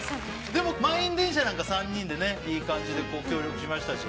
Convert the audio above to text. でも満員電車なんか３人でねいい感じで協力しましたし。